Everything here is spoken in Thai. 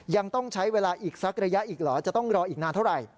ยังต้องใช้เวลาอีกสักระยะอีกเหรอจะต้องรออีกนานเท่าไหร่